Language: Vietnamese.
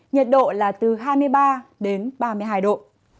nhiệt độ là từ hai mươi ba đến ba mươi hai độ